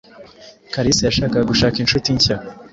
Kalisa yashakaga gushaka inshuti nshya.